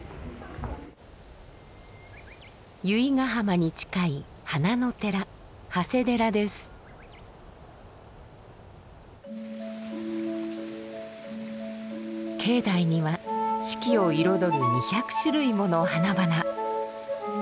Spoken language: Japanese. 由比ガ浜に近い花の寺境内には四季を彩る２００種類もの花々。